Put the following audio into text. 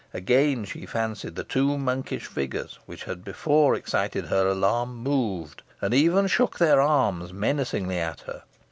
Again she fancied the two monkish figures, which had before excited her alarm, moved, and even shook their arms menacingly at her.